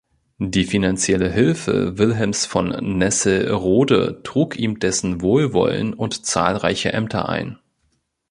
Die finanzielle Hilfe Wilhelms von Nesselrode trug ihm dessen Wohlwollen und zahlreiche Ämter ein.